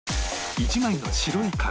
１枚の白い紙